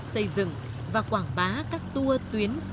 xây dựng và quảng bá các tua tuyến